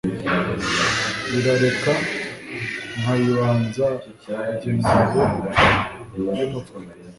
Barareka nkayibanza jye ngabo y'umutwe.